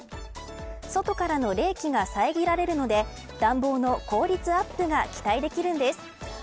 外からの冷気が遮られるので暖房の効率アップが期待できるんです。